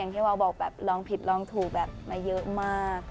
อย่างที่วาวบอกลองผิดลองถูกมาเยอะมาก